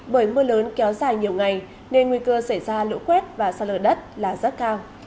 bởi mưa lớn kéo dài nhiều ngày nên nguy cơ xảy ra lũ quét và xa lở đất là rất cao